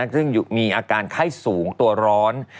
ซึ่งมีอาการไข้สูงตัวร้อน